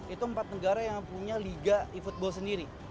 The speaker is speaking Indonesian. itu empat negara yang punya liga efootball sendiri